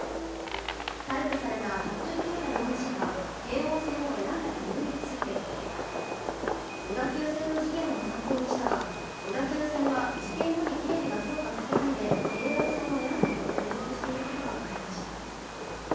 逮捕された服部恭太容疑者は京王線を選んだ理由について小田急線の事件を参考にしたが小田急線は事件後に警備が強化されたので京王線を選んだと供述していることが分かりました。